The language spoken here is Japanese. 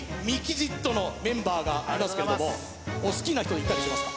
ＸＩＴのメンバーがいますけれどもお好きな人いたりしますか？